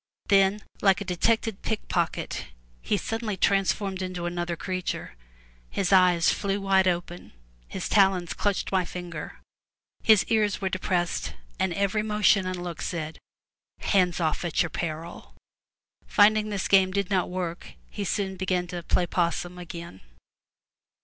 Then, like a detected pick pocket, he was suddenly transformed into another creature. His eyes flew wide open, his talons clutched my finger, his ears were depressed, and every motion and look said, "Hands off, at your peril.'* Finding this game did not work, he soon began to "play 'possum*' again.